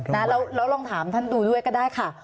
แล้วลองถามท่านดูด้วยก็ได้ค่ะ